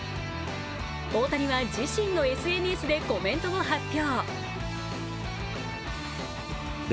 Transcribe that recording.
大谷は自身のＳＮＳでコメントを発表。